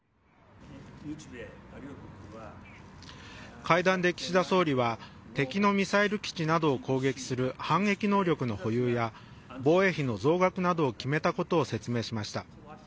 会談で岸田総理は敵のミサイル基地などを攻撃する反撃能力の保有や防衛費の増額などを決めたことを説明しました。